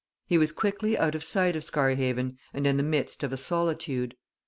He was quickly out of sight of Scarhaven, and in the midst of a solitude.